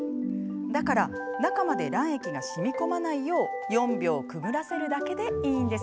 だから中まで卵液がしみ込まないよう４秒くぐらせるだけでいいんです。